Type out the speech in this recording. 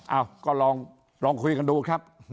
เอ้าก็ลองคุยกันดูครับ